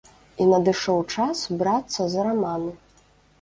І надышоў час брацца за раманы!